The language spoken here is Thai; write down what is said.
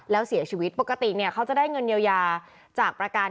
แล้วเสียชีวิตปกติเนี่ยเขาจะได้เงินเยียวยาจากประกัน